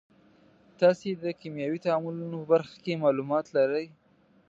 تاسې د کیمیاوي تعاملونو په برخه کې معلومات لرئ.